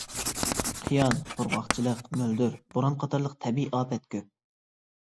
قىيان، قۇرغاقچىلىق، مۆلدۈر، بوران قاتارلىق تەبىئىي ئاپەت كۆپ.